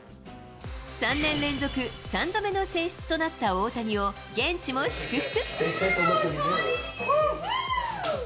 ３年連続３度目の選出となった大谷を現地も祝福。